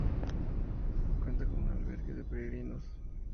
Cuenta con un albergue de peregrinos.